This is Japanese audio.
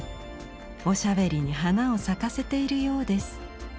おしゃべりに花を咲かせているようです。